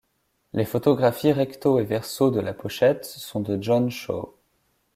Les photographies recto et verso de la pochette sont de John Shaw.